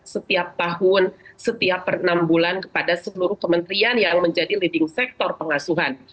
setiap tahun setiap per enam bulan kepada seluruh kementerian yang menjadi leading sector pengasuhan